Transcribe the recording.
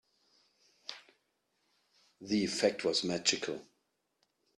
The effect was magical.